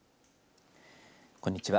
こんにちは。